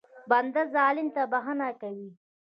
بنده ظالم ته بښنه کوي.